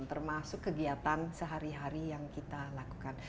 termasuk kegiatan sehari hari yang kita lakukan